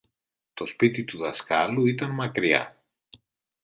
Το σπίτι του δασκάλου ήταν μακριά.